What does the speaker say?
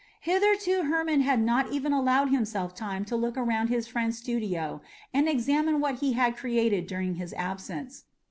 Hitherto Hermon had not even allowed himself time to look around his friend's studio and examine what he had created during his absence.